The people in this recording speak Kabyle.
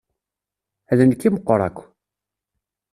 D nekk i meqqer akk.